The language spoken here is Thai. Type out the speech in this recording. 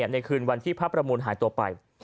ในคืนวันที่พระประมูลหายตัวไป